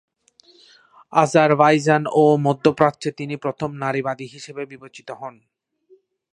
Azerbaijan ও মধ্যপ্রাচ্যে তিনি প্রথম নারীবাদী হিসেবে বিবেচিত হন।